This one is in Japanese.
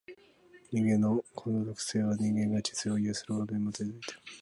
人間のこの特性は、人間が知性を有するということに基いている。